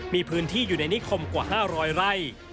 มีพื้นที่อยู่ในนิคมกว่า๕๐๐ไร่